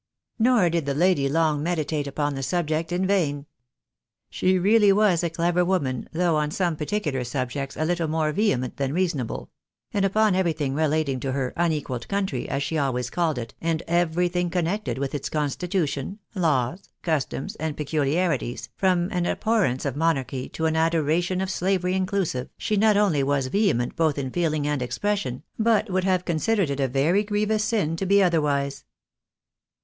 Nor did the lady long meditate upon the subject in vain. She really was a clever woman, though on some particular subjects a little more vehement than reasonable ; and upon everything relat ing to her " unequalled country," as she always called it, and every thing connected with its constitution, laws, customs, and peculi arities, from an abhorrence of monarchy to an adoration of slavery inclusive, she not only was vehement both in feeling and expression, but would have considered it a very grievous sin to be otherwise.